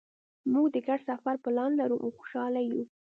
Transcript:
مونږ د ګډ سفر پلان لرو او خوشحاله یو